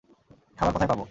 খাবার কোথায় পাবো?